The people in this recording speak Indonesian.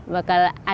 bakal ada gotongan